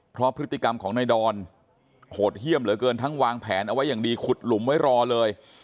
เพราะพฤติกรรมของนายดอนโหดเยี่ยมเหลือเกินทั้งวางแผนเอาไว้อย่างดีขุดหลุมไว้รอเลย